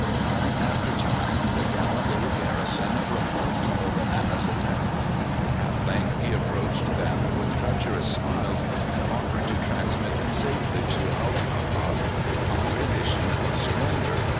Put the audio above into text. Time after time the gallant little garrison repulsed all the Nana's attacks. At length he approached them with treacherous smiles, and offered to transmit them safely to Allahabad on conditions of surrender.